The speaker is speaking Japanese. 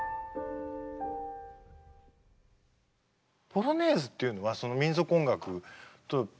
「ポロネーズ」っていうのは民族音楽のことをいう？